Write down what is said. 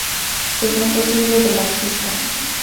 Segundo single de la artista.